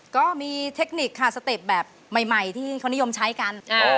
ก็มีเทคนิคค่ะสเต็ปแบบใหม่ที่เขานิยมใช้กัน